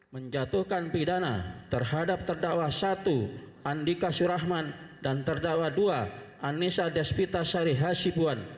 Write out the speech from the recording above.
menjatuhkan pidana terhadap terdakwa satu andika surahman dan terdakwa dua anissa despita sari hasibuan